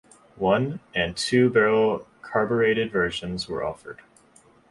One- and two-barrel carburated versions were offered.